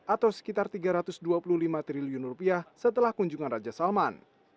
atau sekitar tiga ratus dua puluh lima triliun rupiah setelah kunjungan raja salman